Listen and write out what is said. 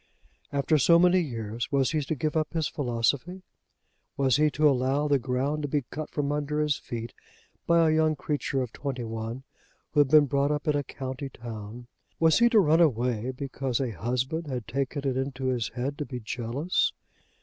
After so many years, was he to give up his philosophy? Was he to allow the ground to be cut from under his feet by a young creature of twenty one who had been brought up in a county town? Was he to run away because a husband had taken it into his head to be jealous?